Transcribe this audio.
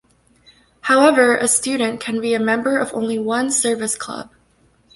However, a student can be a member of only one service club.